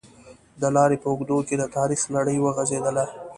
د لارې په اوږدو کې د تاریخ لړۍ وغزېدله.